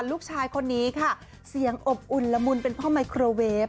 ลูกชายคนนี้ค่ะเสียงอบอุ่นละมุนเป็นพ่อไมโครเวฟ